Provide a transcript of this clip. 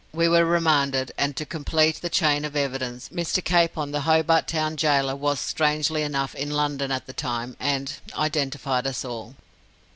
We were remanded, and, to complete the chain of evidence, Mr. Capon, the Hobart Town gaoler, was, strangely enough, in London at the time, and identified us all.